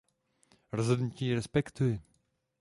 Rozhodnutí respektuji.